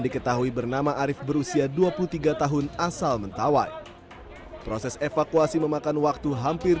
diketahui bernama arief berusia dua puluh tiga tahun asal mentawai proses evakuasi memakan waktu hampir